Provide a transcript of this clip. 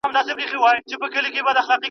هر شخص د خپل عمل مسؤل دي